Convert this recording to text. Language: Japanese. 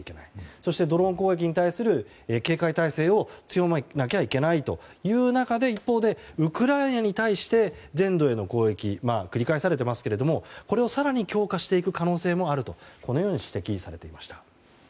そして、ドローン攻撃に対する警戒態勢を強めなきゃいけないという中で一方でウクライナへの全土への攻撃を更に強化していく可能性もあると指摘されていました。